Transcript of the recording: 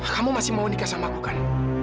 kamu masih mau nikah sama aku kan